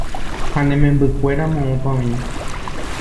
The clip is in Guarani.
ha ne membykuéra moõpa oĩ